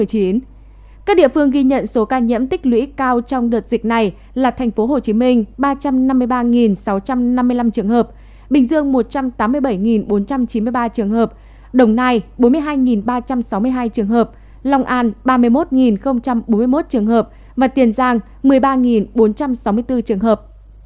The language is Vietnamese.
các địa phương ghi nhận số ca nhiễm tích lũy cao trong đợt dịch này là tp hcm ba trăm năm mươi ba sáu trăm năm mươi năm trường hợp bình dương một trăm tám mươi bảy bốn trăm chín mươi ba trường hợp đồng nai bốn mươi hai ba trăm sáu mươi hai trường hợp lòng an ba mươi một bốn mươi một trường hợp và tiền giang một mươi ba bốn trăm sáu mươi bốn trường hợp